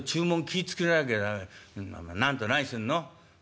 「ん何と何すんの」。